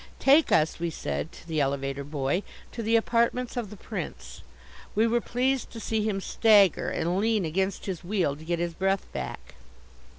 "Take us," we said to the elevator boy, "to the apartments of the Prince." We were pleased to see him stagger and lean against his wheel to get his breath back.